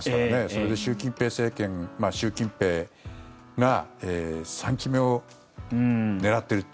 それで習近平政権習近平が３期目を狙っている。